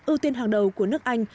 ưu tiên hàng đầu của nước anh